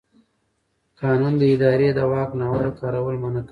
قانون د ادارې د واک ناوړه کارول منع کوي.